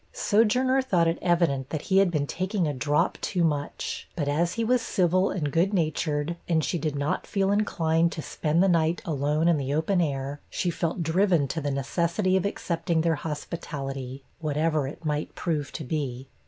Sojourner thought it evident he had been taking a drop too much, but as he was civil and good natured, and she did not feel inclined to spend the night alone in the open air, she felt driven to the necessity of accepting their hospitality, whatever it might prove to be.